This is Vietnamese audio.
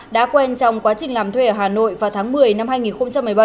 đã quen trong quá trình làm thuê ở hà nội vào tháng một mươi năm hai nghìn một mươi bảy